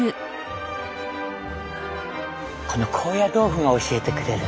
この高野豆腐が教えてくれる。